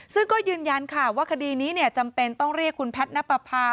ซึ่งก็ยืนยันค่ะว่าคดีนี้จำเป็นต้องเรียกคุณแพทย์นับประพา